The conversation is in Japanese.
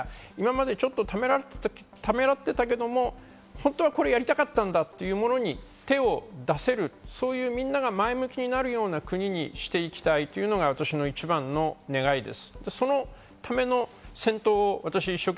町も企業も皆さん、お一人お一人が今までちょっとためらってたけど、本当はこれをやりたかったんだっていうものに手を出せる、みんなが前向きになるような国にしていきたいというのは私の一番の願いです。